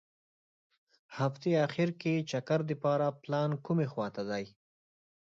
هغتې اخیر کې چکر دپاره پلان کومې خوا ته دي.